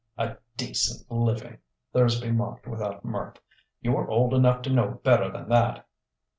"A decent living!" Thursby mocked without mirth. "You're old enough to know better than that."